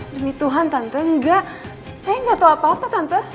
demi tuhan tante enggak saya nggak tahu apa apa tante